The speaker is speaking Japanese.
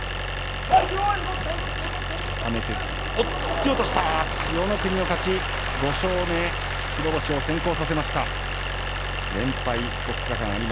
突き落とした千代の国の勝ち、５勝目白星先行です。